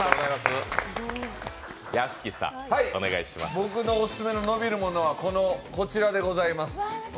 僕のオススメの伸びる物はこちらでございます。